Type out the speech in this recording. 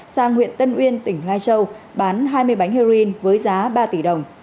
sang huyện tân uyên tỉnh lai châu bán hai mươi bánh heroin với giá ba tỷ đồng